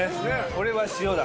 これは塩だ